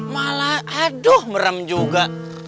malah aduh merem juga